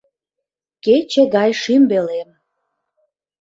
Кече гай шӱмбелем